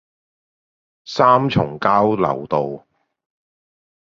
三重交流道